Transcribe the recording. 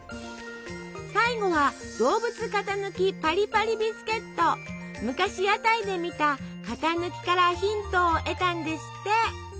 最後は昔屋台で見た型抜きからヒントを得たんですって。